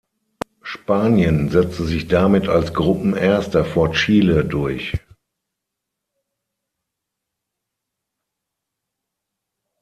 Spanien setzte sich damit als Gruppenerster vor Chile durch.